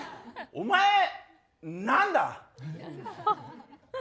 お前、何だ？